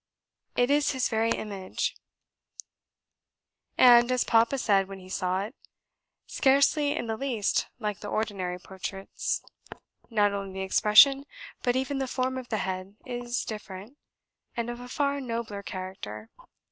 It is his very image, and, as Papa said when he saw it, scarcely in the least like the ordinary portraits; not only the expression, but even the form of the head is different, and of a far nobler character.